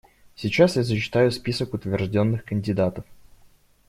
Сейчас я зачитаю список утвержденных кандидатов.